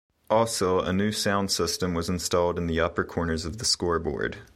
Also, a new sound system was installed in the upper corners of the scoreboard.